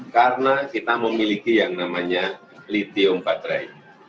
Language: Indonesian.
karena kita memiliki yang namanya lithium baterai